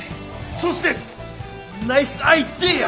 そしてナイスアイデア！